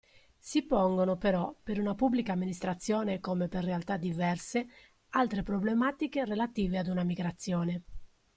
Si pongono però, per una Pubblica Amministrazione come per realtà diverse, altre problematiche relative ad una migrazione.